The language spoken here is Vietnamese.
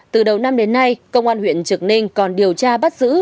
từ đầu năm đến nay công an huyện trực ninh còn điều tra bắt giữ